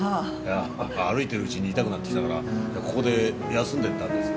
やあ歩いてるうちに痛くなってきたからここで休んでいったんです。